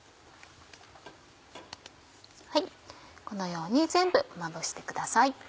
このように全部まぶしてください。